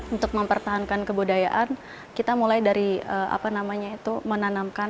untuk mempertahankan kebudayaan kita mulai dari apa namanya itu menanamkan